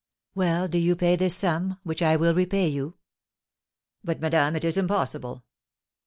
"Well, do you pay this sum, which I will repay to you." "But madame, it is impossible."